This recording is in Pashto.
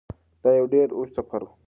دا یو ډیر اوږد سفر و.